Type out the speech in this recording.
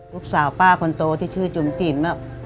ลูกสาวป้าคนโตที่ชื่อจุมจิ๋ม